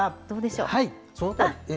どうでしょう？